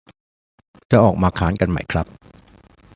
จะออกมาค้านกันไหมครับ